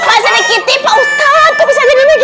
pak sadiq kiti pak ustadz kok bisa jadi begitu